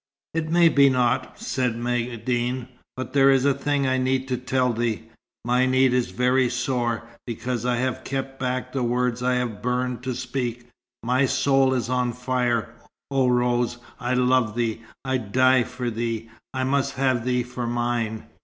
"It may be not," said Maïeddine. "But there is a thing I need to tell thee. My need is very sore. Because I have kept back the words I have burned to speak, my soul is on fire, oh Rose! I love thee. I die for thee. I must have thee for mine!"